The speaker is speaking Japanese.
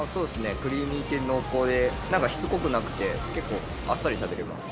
クリーミー系、濃厚で、なんかしつこくなくて、結構、あっさり食べれます。